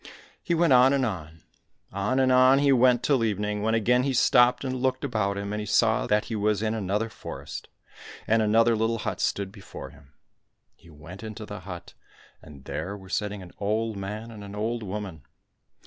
He went on and on. On and on he went till evening, when again he stopped and looked about him, and he saw that he was in another forest, and another little hut stood before him. He w^ent into the hut, and there were sitting an old man and an old woman.